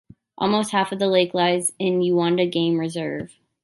Almost half of the lake lies in Uwanda Game Reserve.